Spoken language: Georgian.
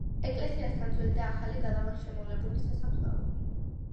ეკლესიასთან ძველი და ახალი გალავანშემოვლებული სასაფლაოა.